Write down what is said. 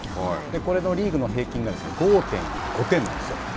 これのリーグの平均が５．５点なんですよ。